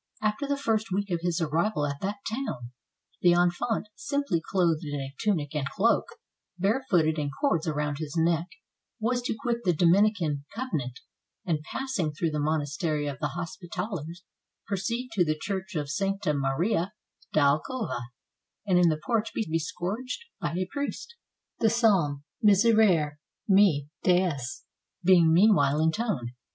After the first week of his arrival at that town, the infante, simply clothed in a tunic and cloak, barefooted, and cords around his neck, was to quit the Dominican Convent, and passing through the Monastery of the Hospitallers, proceed to the Church of Sancta Maria da Alcagova, and in the porch be scourged by a priest, the Psalm 563 PORTUGAL Miserere me, Deus, being meanwhile intoned.